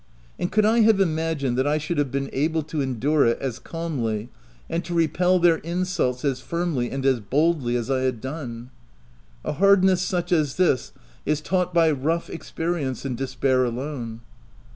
And could I have imagined that I should have been able to endure it as calmly, and to repel their insults as firmly and as boldly as I had done ? A hard ness such as this, is taught by rough experience and despair alone.